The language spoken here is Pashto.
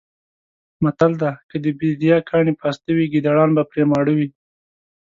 متل دی: که د بېدیا کاڼي پاسته وی ګېدړان به پرې ماړه وی.